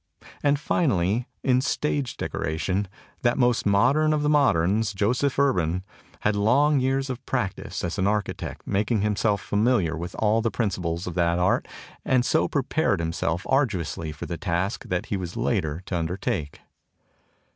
And finally, in stage dec oration, that most modern of the moderns, Joseph Urban, had long years of practice as an architect making himself familiar with all the principles of that art and so prepared himself arduously for the task that he was later to un dertake.